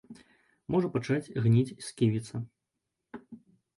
Можа пачаць гніць сківіца.